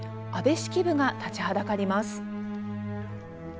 安部式部が立ちはだかります。